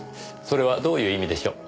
それはどういう意味でしょう。